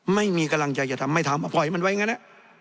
ไม่มีกำลังใจจะทำไม่ทำปล่อยมันไว้อย่างนั้น